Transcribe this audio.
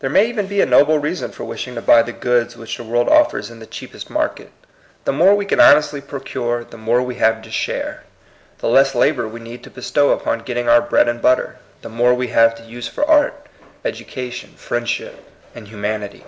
There may even be a noble reason for wishing to buy the goods which the world offers in the cheap SHORT CUTS TO SUCCESS. 81 est market. The more we can honestly procure, the more we have to share. The less labor we need to bestow upon getting our bread and butter, the more we have to use for art, education, friendship, and humanity.